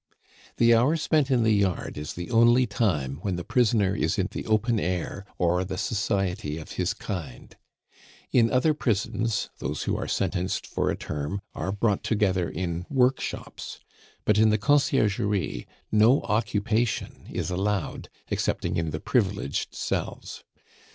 The hour spent in the yard is the only time when the prisoner is in the open air or the society of his kind; in other prisons those who are sentenced for a term are brought together in workshops; but in the Conciergerie no occupation is allowed, excepting in the privileged cells.